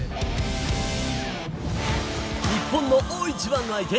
日本の大一番の相手